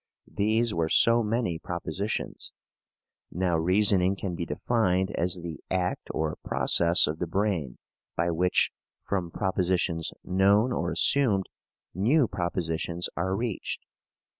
These were so many propositions. Now reasoning can be defined as the act or process of the brain by which, from propositions known or assumed, new propositions are reached.